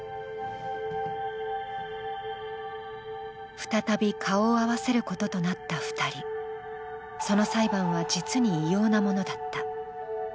再び顔を合わせることとなった２人その裁判は実に異様なものだった。